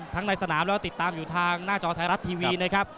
ในสนามแล้วก็ติดตามอยู่ทางหน้าจอไทยรัฐทีวีนะครับ